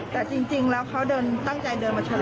แต่จริงแล้วเขาตั้งใจเดินมาชะเลา